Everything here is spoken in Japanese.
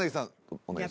お願いします